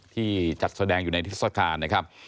ที่จัดแสดงอยู่ในทิศกาลนะครับ